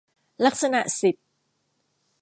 ลักษณะสิบ